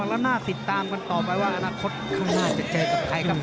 แล้วน่าติดตามกันต่อไปว่าอนาคตข้างหน้าจะเจอกับใครครับ